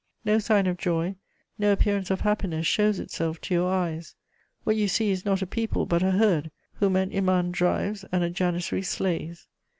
No sign of joy, no appearance of happiness shows itself to your eyes; what you see is not a people but a herd whom an iman drives and a janissary slays.